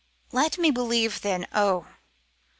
Let me believe then, oh!